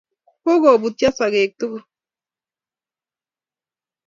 Kogpbutyo sogek tugul